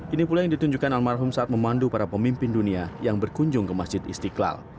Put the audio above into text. ini pula yang ditunjukkan almarhum saat memandu para pemimpin dunia yang berkunjung ke masjid istiqlal